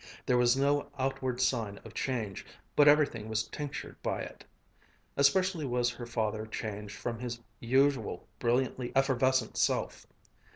There was no outward sign of change, but everything was tinctured by it. Especially was her father changed from his usual brilliantly effervescent self.